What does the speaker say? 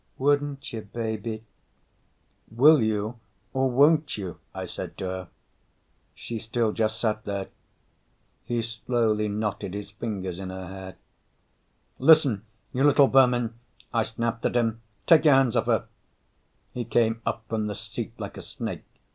"Wouldn't you, baby?" "Will you or won't you?" I said to her. She still just sat there. He slowly knotted his fingers in her hair. "Listen, you little vermin," I snapped at him, "Take your hands off her." He came up from the seat like a snake.